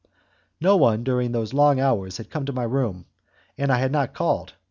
No one during those long hours had come to my room, and I had not called.